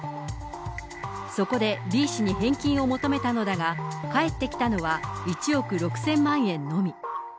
そこで、Ｂ氏に返金を求めたのだが、返ってきたのは１億６０００万円のみ。